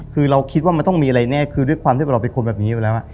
คือเราคิดว่ามันต้องมีอะไรแน่คือด้วยความที่เราเป็นคนแบบนี้อยู่แล้ว